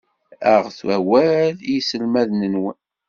Aɣet awal i yiselmaden-nwen.